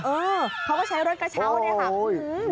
เออเขาก็ใช้รถกระเช้าเนี่ยค่ะคุณ